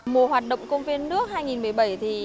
mùa hoạt động công viên nước hai nghìn một mươi bảy